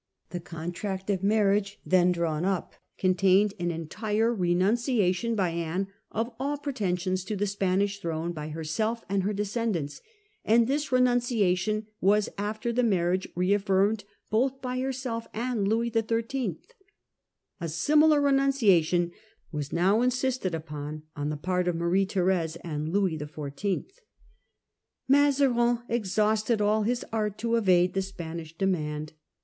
The contract of marriage then drawn up contained an entire renunciation by Anne of Renunda pretensions to the Spanish throne for her of A°V^ nne se ^ anc *^ er descendants, anc * this renun and Louis ciation was after the marriage reaffirmed both XUI * by herself and Louis XIII. A similar re nunciation was now insisted upon on the part of Marie Therfcse and Louis XIV. Mazarin exhausted all his art to evade the Spanish demand.